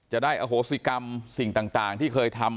จะได้อโหสิกรรมสิ่งต่างที่เคยทำ